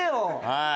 はい。